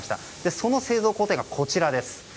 その製造工程が、こちらです。